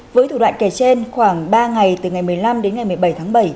với thủ đoạn kể trên khoảng ba ngày từ ngày một mươi năm đến ngày một mươi bảy tháng bảy